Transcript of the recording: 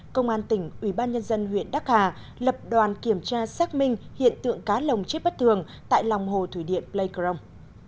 công an tỉnh ubnd huyện đắc hà lập đoàn kiểm tra xác minh hiện tượng cá lồng chết bất thường tại lòng hồ thủy điện pleikrong